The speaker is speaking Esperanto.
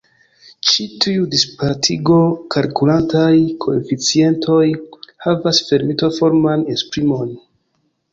Ĉi tiuj dispartigo-kalkulantaj koeficientoj havas fermito-forman esprimon.